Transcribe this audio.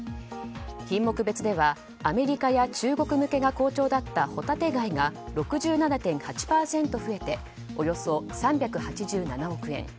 品目別ではアメリカや中国向けが好調だったホタテ貝が６７．８％増えておよそ３８７億円。